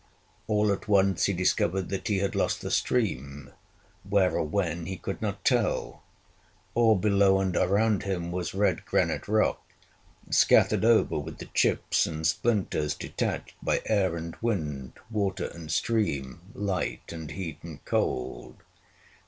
All at once he discovered that he had lost the stream, where or when he could not tell. All below and around him was red granite rock, scattered over with the chips and splinters detached by air and wind, water and stream, light and heat and cold.